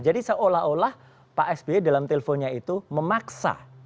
jadi seolah olah pak sp dalam teleponnya itu memaksa